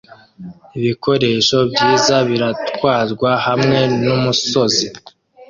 Ibikoresho byiza biratwarwa hamwe numusozi